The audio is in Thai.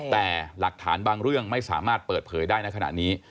แต่หลักฐานบางเรื่องไม่สามารถเปิดเผยได้ในขณะนี้